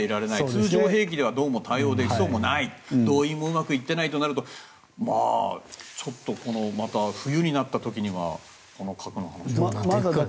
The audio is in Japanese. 通常兵器ではどうも対応できそうもない動員もうまくいってないとなるとちょっとまた冬になった時には核の話が。